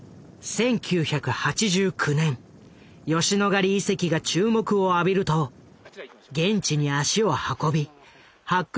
１９８９年吉野ヶ里遺跡が注目を浴びると現地に足を運び発掘